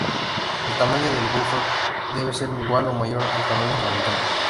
El tamaño del buffer debe ser igual o mayor al tamaño de la ventana.